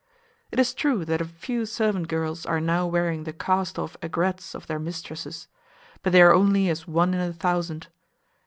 It is true that a few servant girls are now wearing the cast off aigrettes of their mistresses; but they are only as one in a thousand.